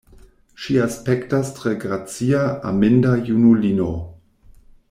Ŝi aspektas tre gracia, aminda junulino.